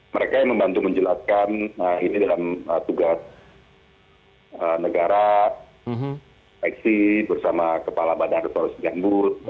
mereka yang membantu menjelaskan ini dalam tugas negara exit bersama kepala badan restorasi gambut